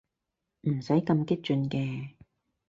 唔使咁激進嘅